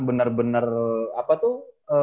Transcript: bener bener apa tuh